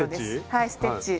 はいステッチ。